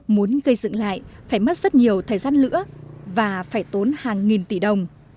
muốn gây dựng lại phải mất rất nhiều thời gian nữa và phải tốn hàng nghìn tỷ đồng